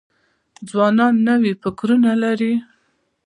ځوانان نوي فکرونه لري.